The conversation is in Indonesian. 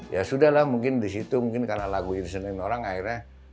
ya sudah lah mungkin di situ mungkin karena lagu ini seneng orang akhirnya